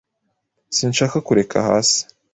Sinshaka kureka hasi.